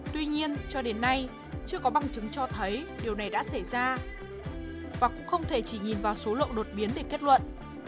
tuy nhiên cho đến nay chưa có bằng chứng cho thấy điều này đã xảy ra và cũng không thể chỉ nhìn vào số lộ đột biến để kết luận